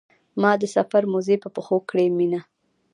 ما د سفر موزې په پښو کړې مینه.